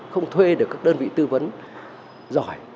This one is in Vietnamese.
không thuê được các đơn vị tư vấn giỏi